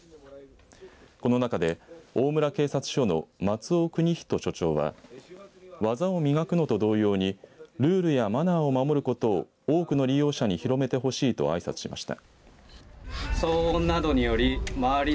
この中で大村警察署の松尾邦仁署長は技を磨くのと同様にルールやマナーを守ることを多くの利用者に広めてほしいとあいさつしました。